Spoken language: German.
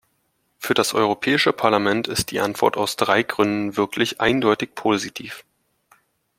Für das Europäische Parlament ist die Antwort aus drei Gründen wirklich eindeutig positiv.